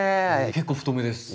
結構太めです。